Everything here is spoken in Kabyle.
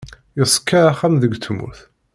Yeṣka axxam deg tmurt.